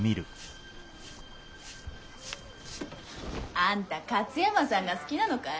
あんた勝山さんが好きなのかい？